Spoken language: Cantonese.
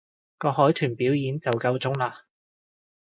個海豚表演就夠鐘喇